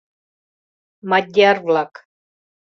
Мадьяр-влак